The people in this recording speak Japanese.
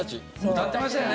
歌ってましたよね。